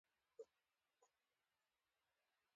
یورانیم د افغانستان طبعي ثروت دی.